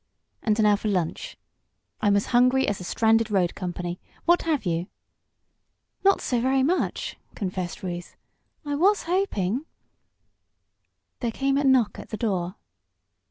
And now for lunch. I'm as hungry as a stranded road company. What have you?" "Not so very much," confessed Ruth. "I was hoping " There came a knock at the door.